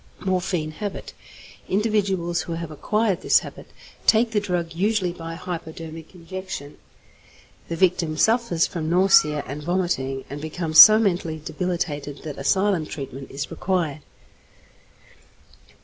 =Morphine Habit.= Individuals who have acquired this habit take the drug usually by hypodermic injection. The victim suffers from nausea and vomiting, and becomes so mentally debilitated that asylum treatment is required.